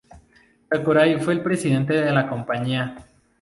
Sakurai fue el presidente de la compañía.